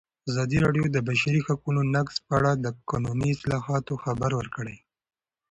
ازادي راډیو د د بشري حقونو نقض په اړه د قانوني اصلاحاتو خبر ورکړی.